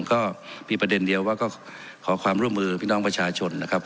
ก็มีประเด็นเดียวว่าก็ขอความร่วมมือพี่น้องประชาชนนะครับ